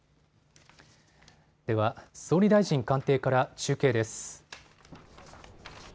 では、総理大臣官邸から中継です。